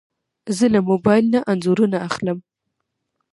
زه له موبایل نه انځورونه اخلم.